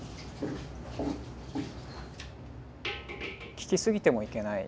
聞き過ぎてもいけない。